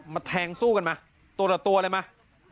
แทงสู้กันมาตัวละตัวเลยมา